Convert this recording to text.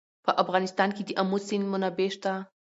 په افغانستان کې د آمو سیند منابع شته.